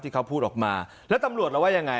ที่เขาพูดออกมาแล้วตำรวจเราว่ายังไง